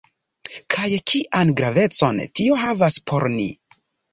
Kaj kian gravecon tio havas por ni?